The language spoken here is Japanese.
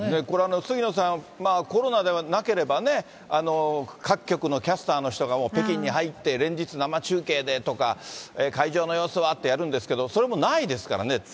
これ杉野さん、コロナでなければね、各局のキャスターの人がもう北京に入って連日、生中継でとか、会場の様子はってやるんですけど、それもないですからね。